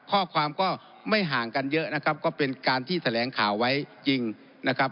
ข้อความก็ไม่ห่างกันเยอะนะครับก็เป็นการที่แถลงข่าวไว้จริงนะครับ